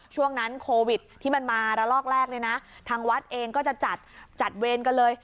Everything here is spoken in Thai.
ช่วงนั้นโควิดที่มันมาระลอกแรกเนี่ยนะทางวัดเองก็จะจัดเวรกันเลย